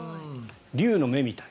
竜の目みたい。